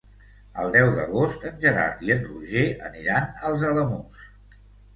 El deu d'agost en Gerard i en Roger aniran als Alamús.